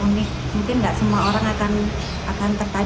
mungkin nggak semua orang akan tertarik